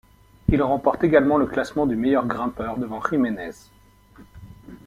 Il remporte également le classement du meilleur grimpeur devant Jiménez.